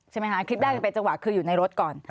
ใช่ไหมคะคลิปอันด้านไว้จังหวะคืออยู่ในรถก่อน